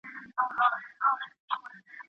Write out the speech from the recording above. ورزش د زړه ضربان منظموي.